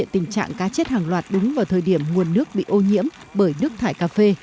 tình trạng cá chết hàng loạt đúng vào thời điểm nguồn nước bị ô nhiễm bởi nước thải cà phê